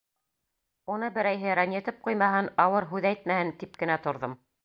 Уны берәйһе рәнйетеп ҡуймаһын, ауыр һүҙ әйтмәһен, тип кенә торҙом.